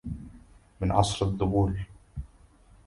من عصر الذبول.